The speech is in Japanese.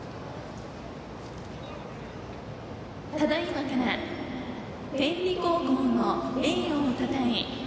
ただいまから天理高校の栄誉をたたえ